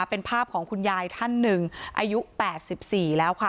เป็นภาพของคุณยายท่านหนึ่งอายุ๘๔แล้วค่ะ